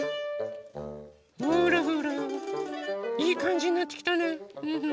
ほらほらいいかんじになってきたね。